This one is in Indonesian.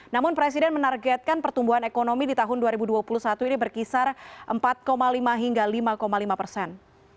namun presiden menargetkan pertumbuhan ekonomi di tahun dua ribu dua puluh satu ini berkisar empat lima hingga lima lima persen